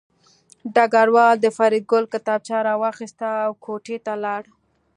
ډګروال د فریدګل کتابچه راواخیسته او کوټې ته لاړ